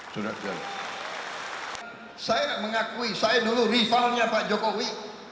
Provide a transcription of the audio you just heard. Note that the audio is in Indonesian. saya mengakui saya dulu rivalnya pak jokowi